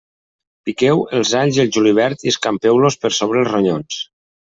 Piqueu els alls i el julivert i escampeu-los per sobre els ronyons.